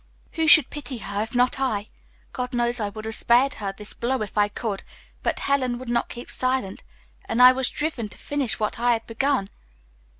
"Who should pity her, if not I? God knows I would have spared her this blow if I could; but Helen would not keep silent, and I was driven to finish what I had begun.